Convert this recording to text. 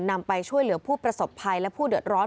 นำไปช่วยเหลือผู้ประสบภัยและผู้เดือดร้อน